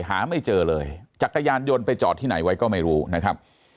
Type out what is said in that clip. หาไม่เจอเลยจักรยานยนต์ไปจอดที่ไหนไว้ก็ไม่รู้นะครับ